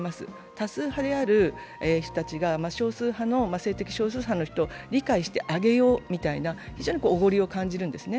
多数派である人たちが性的少数派の人を理解してあげよう、みたいな非常におごりを感じるんですね。